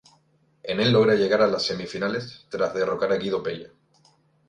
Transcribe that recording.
En el logra llegar a semifinales tras derrotar a Guido Pella.